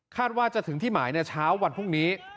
ว่าจะถึงที่หมายในเช้าวันพรุ่งนี้